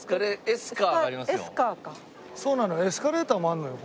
エスカレーターもあるのよ